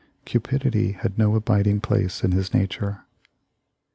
Cupidity had no abiding place in his nature.